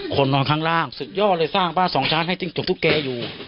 คนนอนข้างล่างสุดยอดเลยสร้างบ้านสองชั้นให้จิ้งจกตุ๊กแกอยู่